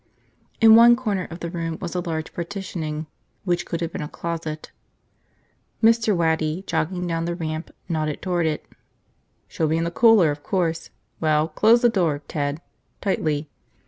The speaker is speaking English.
In one corner of the room was a large partitioning which could have been a closet. Mr. Waddy, jogging down the ramp, nodded toward it. "She'll be in the cooler, of course. Well. Close the door, Ted. Tightly."